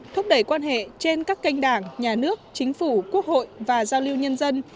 thúc đẩy quan hệ trên các kênh đảng nhà nước chính phủ quốc hội và giao lưu nhân dân